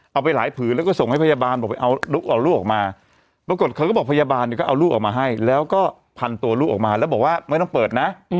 เอาไปหลายผืนแล้วก็ส่งให้พยาบาลบอกไปเอาลูกออกมาปรากฏเขาก็บอกพยาบาลเนี่ยก็เอาลูกออกมาให้แล้วก็พันตัวลูกออกมาแล้วบอกว่าไม่ต้องเปิดนะ